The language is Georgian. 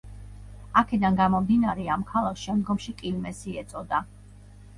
აქედან გამომდინარე, ამ ქალაქს შემდგომში კილმესი ეწოდა.